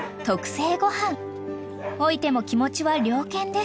［老いても気持ちは猟犬です］